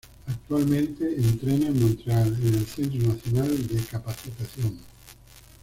Actualmente entrena en Montreal en el Centro Nacional de Capacitación.